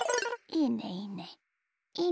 いいねいいね。